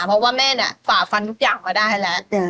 เพราะว่าแม่เนี่ยฝ่าฟันทุกอย่างมาได้แล้ว